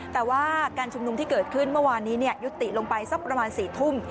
แต่ว่าการชุมนุมที่เกิดขึ้นเมื่อวานนี้ยุติลงไปสักประมาณ๔ทุ่ม